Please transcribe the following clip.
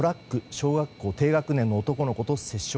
小学校低学年の男の子と接触。